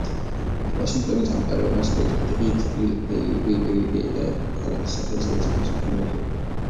ვაშინგტონის ამ გარეუბანს ერთი დღით ჰილ-ველი დაერქვა, ქალაქის სახელი სადაც ფილმის მოქმედება ხდება.